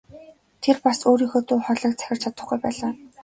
Тэр бас өөрийнхөө дуу хоолойг захирч чадахгүй байлаа.